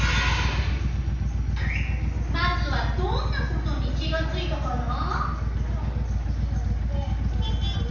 まずはどんなことに気がついたかな？